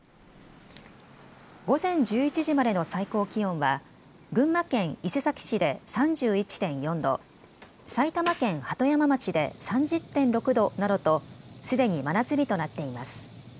午前１１時までの最高気温は群馬県伊勢崎市で３１．４度、埼玉県鳩山町で３０．６度などとすでに真夏日となっています。